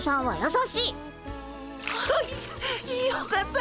あよかった。